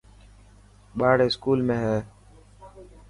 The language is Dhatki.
ٻاڙ اسڪول ۾ هي.